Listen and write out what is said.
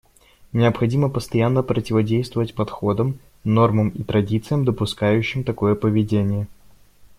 Необходимо постоянно противодействовать подходам, нормам и традициям, допускающим такое поведение.